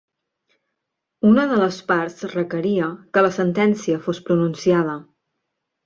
Una de les parts requeria que la sentència fos pronunciada.